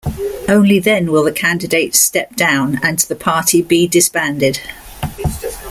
Only then will the candidate step down and the party be disbanded.